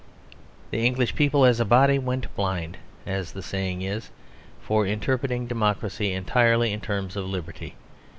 The English people as a body went blind, as the saying is, for interpreting democracy entirely in terms of liberty.